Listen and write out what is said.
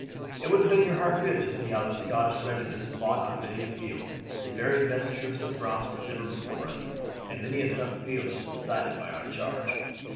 It would have done your heart good to see how the Scottish regiments fought on many a field; the very best troops of France were never before us, and many a tough field was decided by our charge.